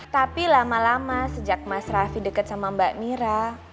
tapi lama lama sejak mas raffi deket sama mbak mira